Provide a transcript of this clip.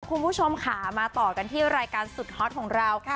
คุณผู้ชมค่ะมาต่อกันที่รายการสุดฮอตของเราค่ะ